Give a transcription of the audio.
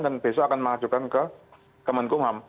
dan besok akan mengajukan ke kemenkumham